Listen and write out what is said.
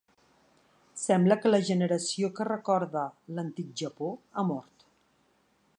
Sembla que la generació que recorda "l'Antic Japó" ha mort.